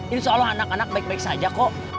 insya allah anak anak baik baik saja kok